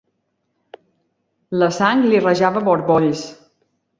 La sang li rajava a borbolls.